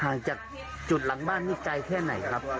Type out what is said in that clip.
ห่างจากจุดหลังบ้านนี่ไกลแค่ไหนครับ